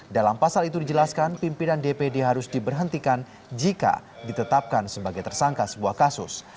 dalam pasal itu dijelaskan pimpinan dpd harus diberhentikan jika ditetapkan sebagai tersangka sebuah kasus